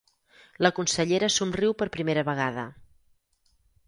La consellera somriu per primera vegada.